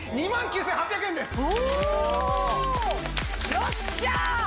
よっしゃ！